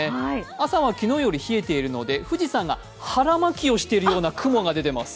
朝は昨日より冷えているので、富士山が腹巻きをしているような雲が出ています。